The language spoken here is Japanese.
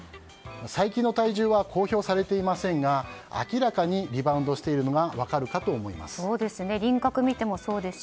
最近の体重は公表されていませんが明らかにリバウンドしているのが分かるかと思います。